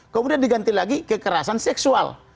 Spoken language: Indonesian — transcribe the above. kemudian diganti lagi kekerasan seksual